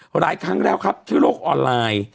หลายครั้งแล้วครับที่โลกออนไลน์